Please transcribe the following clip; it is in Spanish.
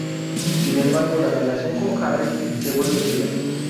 Sin embargo, la relación con Harry se vuelve fría.